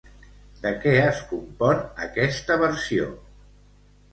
De què es compon aquesta versió?